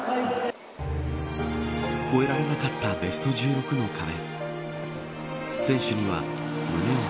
越えられなかったベスト１６の壁。